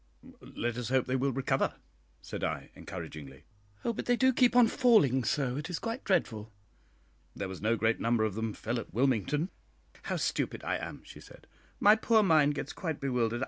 "Let us hope they will recover," said I, encouragingly. "Oh, but they do keep on falling so, it is quite dreadful." "There was no great number of them fell at Wilmington." "How stupid I am!" she said; "my poor mind gets quite bewildered.